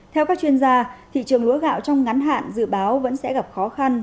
theo các chuyên gia thị trường lúa gạo trong ngắn hạn dự báo vẫn sẽ gặp khó khăn